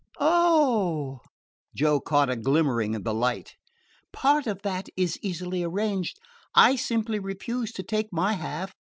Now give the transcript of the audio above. "Oh!" Joe caught a glimmering of the light. "Part of that is easily arranged. I simply refuse to take my half.